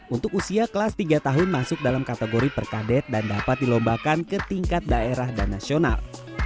untuk usia kelas tiga tahun masuk dalam kategori perkadet dan dapat dilombakan ke tingkat daerah dan nasional